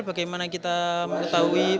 bagaimana kita mengetahuinya